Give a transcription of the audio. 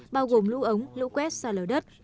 bao gồm lũ ống lũ quét xa lờ đất